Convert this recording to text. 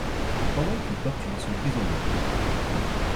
Pendant qu'il torture son prisonnier.